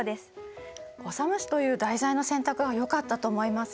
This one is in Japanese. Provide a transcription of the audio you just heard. オサムシという題材の選択がよかったと思いますよ。